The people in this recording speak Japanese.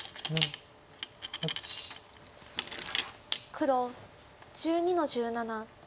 黒１２の十七。